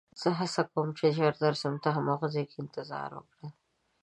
زه هڅه کوم چې ژر درشم، ته هماغه ځای کې انتظار وکړه.